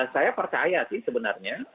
saya percaya sih sebenarnya